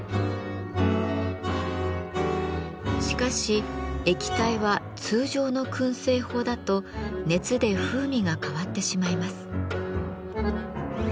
しかし液体は通常の燻製法だと熱で風味が変わってしまいます。